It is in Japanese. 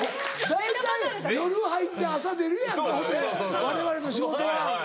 大体夜入って朝出るやんかわれわれの仕事は。